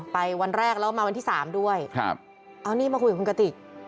วันแรกแล้วมาวันที่๓ด้วยเอานี่มาคุยกับคุณกติก